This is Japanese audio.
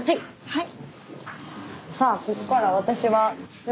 はい。